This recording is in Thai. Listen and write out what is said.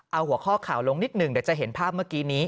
เอาหัวข้อข่าวลงนิดหนึ่งเดี๋ยวจะเห็นภาพเมื่อกี้นี้